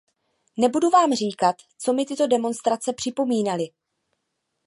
Nebudu vám říkat, co mi tyto demonstrace připomínaly.